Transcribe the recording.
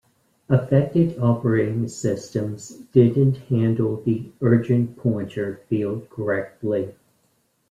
Affected operating systems didn't handle the Urgent Pointer field correctly.